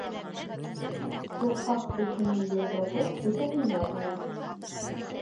Курҡаҡ кешенең йоҙроғо кеҫәһендә була.